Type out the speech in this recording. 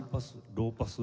ローパス？